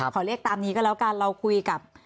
ขอเรียกตามนี้ก็แล้วกันเราคุยกับ